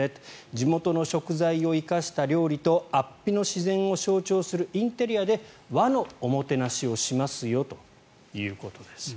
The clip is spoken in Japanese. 地元の食材を生かした料理と安比の自然を象徴するインテリアで和のおもてなしをしますよということです。